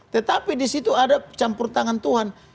tetapi disitu ada campur tangan tuhan